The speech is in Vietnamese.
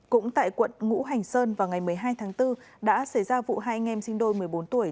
cũng tại quận ngũ hành sơn vào ngày một mươi hai tháng bốn đã xảy ra vụ hai anh em sinh đôi một mươi bốn tuổi